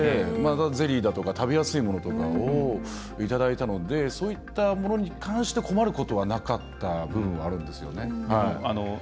ゼリーだとか食べやすいものだとかをいただいたのでそういったものに関して困ることはなかった部分があるんですよね。